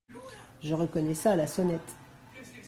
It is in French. Je reconnais ça à la sonnette…